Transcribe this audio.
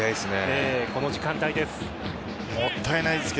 この時間帯です。